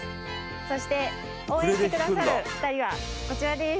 そして応援してくださる２人はこちらです